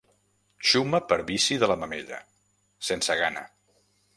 Xuma per vici de la mamella, sense gana.